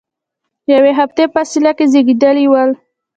یوې هفتې په فاصله کې زیږیدلي ول.